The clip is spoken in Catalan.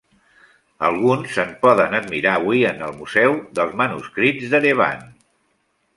Alguns se'n poden admirar avui en el Museu dels Manuscrits d'Erevan.